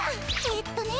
えっとね